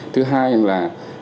thứ hai là